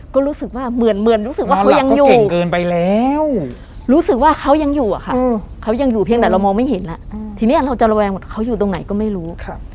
ก็รู้สึกว่าเหมือนรู้สึกว่าเขายังอยู่เก่งเกินไปแล้วรู้สึกว่าเขายังอยู่อะค่ะเขายังอยู่เพียงแต่เรามองไม่เห็นแล้วทีนี้เราจะระแวงหมดเขาอยู่ตรงไหนก็ไม่รู้